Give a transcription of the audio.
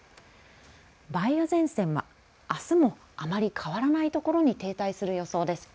梅雨前線はあすもあまり変わらないところに停滞する予想です。